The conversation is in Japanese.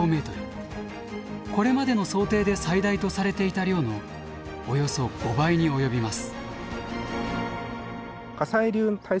これまでの想定で最大とされていた量のおよそ５倍に及びます。